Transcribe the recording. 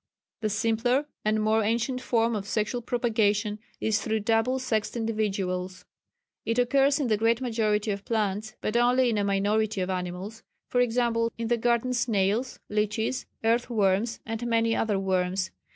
"The simpler and more ancient form of sexual propagation is through double sexed individuals. It occurs in the great majority of plants, but only in a minority of animals, for example, in the garden snails, leeches, earth worms, and many other worms.